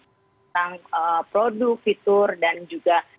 tentang produk fitur dan juga